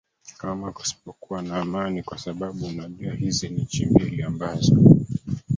kama kusipokuwa na amani kwa sababu unajua hizi ni nchi mbili ambazo